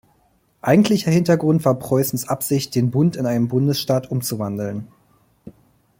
Eigentlicher Hintergrund war Preußens Absicht, den Bund in einen Bundesstaat umzuwandeln.